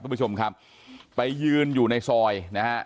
คุณผู้ชมครับไปยืนอยู่ในซอยนะฮะ